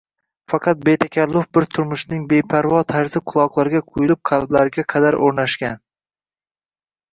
Faqat betakalluf bir turmushning beparvo tarzi quloqlariga quyilib, qalblariga qadar o'rnashgan.